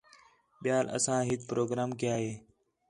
ٻِیال اساں ہِک پروگرام کَیا ہِے